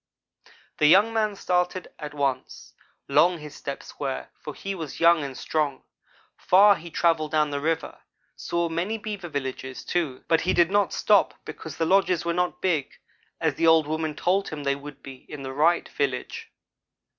"The young man started at once. Long his steps were, for he was young and strong. Far he travelled down the river saw many beaver villages, too, but he did not stop, because the lodges were not big, as the old woman told him they would be in the right village.